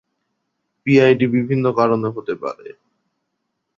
P I D বিভিন্ন কারণে হতে পারে।